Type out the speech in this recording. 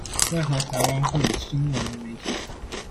為何台灣會有新聞媒體